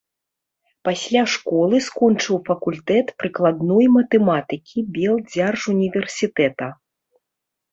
Пасля школы скончыў факультэт прыкладной матэматыкі Белдзяржуніверсітэта.